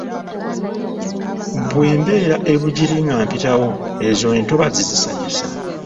"Bwe mbeera e Bugiri nga mpitawo, ezo entobazzi zinsanyusa."